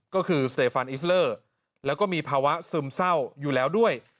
ก็คือสเตฟันอิสเลอร์แล้วก็มีภาวะซึมเศร้าอยู่แล้วด้วย